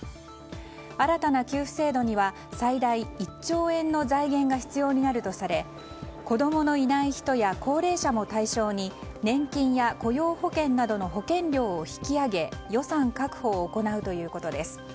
新たな給付制度には最大１兆円の財源が必要になるとされ子供のいない人や高齢者も対象に年金や雇用保険などの保険料を引き上げ予算確保を行うということです。